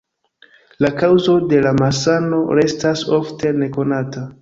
La kaŭzo de la malsano restas ofte nekonata.